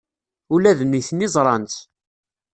Ula d nitni ẓran-tt.